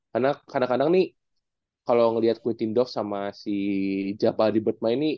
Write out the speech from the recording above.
karena kadang kadang nih kalau ngelihat quintin doff sama si jabal di bertman ini